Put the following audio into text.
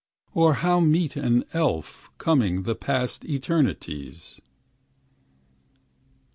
Or how meet in human elf Coming and past eternities?